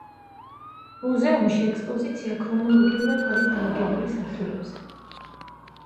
მუზეუმში ექსპოზიცია ქრონოლოგიურად არის დალაგებული სართულებზე.